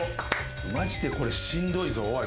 マジでこれしんどいぞおい。